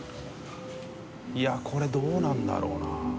いこれどうなんだろうな。